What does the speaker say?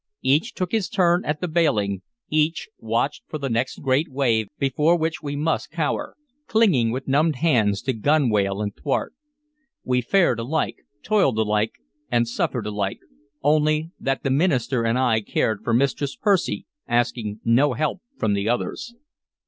Each took his turn at the bailing, each watched for the next great wave before which we must cower, clinging with numbed hands to gunwale and thwart. We fared alike, toiled alike, and suffered alike, only that the minister and I cared for Mistress Percy, asking no help from the others.